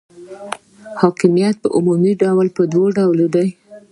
حاکمیت په عمومي ډول په دوه ډوله دی.